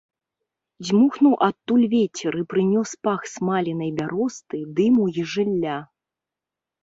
Дзьмухнуў адтуль вецер і прынёс пах смаленай бяросты, дыму і жылля.